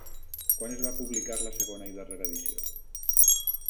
Quan es va publicar la segona i darrera edició?